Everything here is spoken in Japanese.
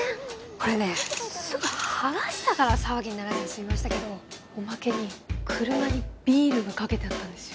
これねすぐ剥がしたから騒ぎにならずに済みましたけどおまけに車にビールがかけてあったんですよ